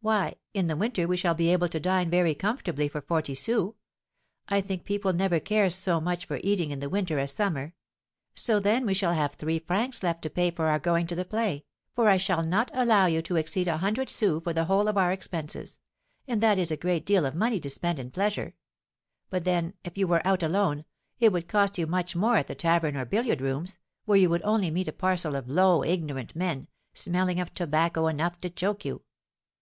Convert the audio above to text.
"Why, in the winter we shall be able to dine very comfortably for forty sous. I think people never care so much for eating in the winter as summer; so then we shall have three francs left to pay for our going to the play, for I shall not allow you to exceed a hundred sous for the whole of our expenses, and that is a great deal of money to spend in pleasure; but then, if you were out alone, it would cost you much more at the tavern or billiard rooms, where you would only meet a parcel of low, ignorant men, smelling of tobacco enough to choke you.